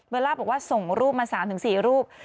ล่าบอกว่าส่งรูปมา๓๔รูป